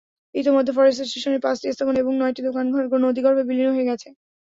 ইতিমধ্যে ফরেস্ট স্টেশনের পাঁচটি স্থাপনা এবং নয়টি দোকানঘর নদীগর্ভে বিলীন হয়ে গেছে।